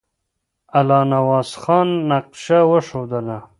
الله نواز خان نقشه وښودله.